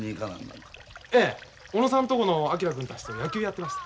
ええ小野さんとこの昭君たちと野球やってました。